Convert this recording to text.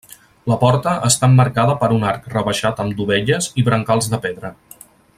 La porta està emmarcada per un arc rebaixat amb dovelles i brancals de pedra.